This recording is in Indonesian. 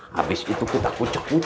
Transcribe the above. habis itu kutaku cek uangnya